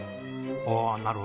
ああなるほど。